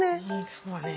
そうだね。